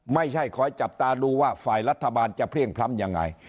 ไม่ใช่คอยจับตาดูว่าฝ่ายรัฐบาลจะเพลี่ยงพล้ำยังไง